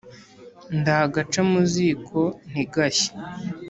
Ndi agaca mu ziko ntigashye,